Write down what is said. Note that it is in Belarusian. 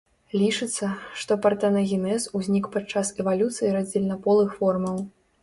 Лічыцца, што партэнагенез узнік падчас эвалюцыі раздзельнаполых формаў.